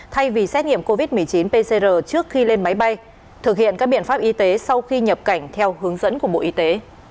thay vì xét nghiệm covid một mươi chín pcr trước khi lên máy bay thực hiện các biện pháp y tế sau khi nhập cảnh theo hướng dẫn của bộ y tế